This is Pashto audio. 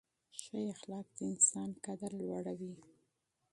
ښه اخلاق د انسان قدر لوړوي.